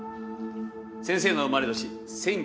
先生の生まれ年